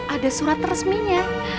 ada surat resminya